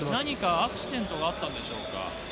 アクシデントがあったんでしょうか。